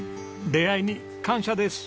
出会いに感謝です。